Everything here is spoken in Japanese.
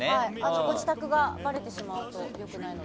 ご自宅がバレてしまうといけないので。